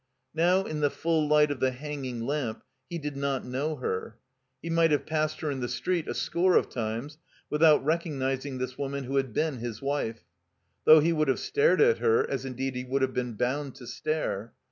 Now, in the full light of the hang ing lamp, he did not know her. He might have passed her in the street a score of times without recognizing this woman who had been his wife; though he would have stared at her, as indeed he would have been bound to stare.